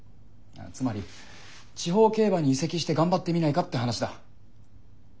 つまり地方競馬に移籍して頑張ってみないかって話だ。